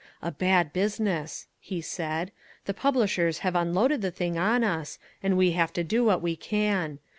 "A bad business," he said. "The publishers have unloaded the thing on us, and we have to do what we can.